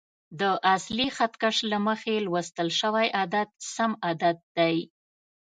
د اصلي خط کش له مخې لوستل شوی عدد سم عدد دی.